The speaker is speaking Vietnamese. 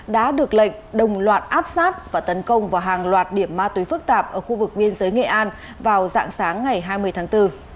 đã được lệnh đồng loạt áp sát và tấn công vào hàng loạt điểm ma túy phức tạp ở khu vực biên giới nghệ an vào dạng sáng ngày hai mươi tháng bốn